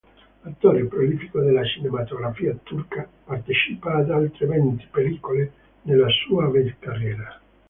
Attore prolifico della cinematografia turca, partecipa ad oltre venti pellicole nella sua carriera.